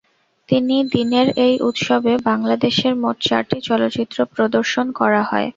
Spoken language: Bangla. তিন দিনের এই উৎসবে বাংলাদেশের মোট চারটি চলচ্চিত্র প্রদর্শন করা হয়।